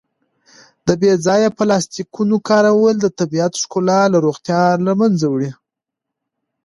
د بې ځایه پلاسټیکونو کارول د طبیعت ښکلا او روغتیا له منځه وړي.